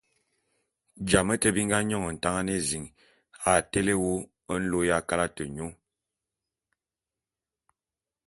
Jame té bi nga nyòn Ntangan ézin a tele wô nlô ya kalate nyô.